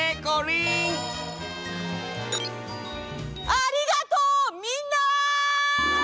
ありがとうみんな！